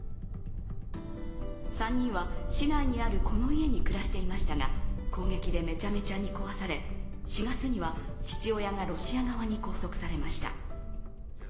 ３人は市内にあるこの家に暮らしていましたが、攻撃でめちゃめちゃに壊され、４月には父親がロシア側に拘束されました。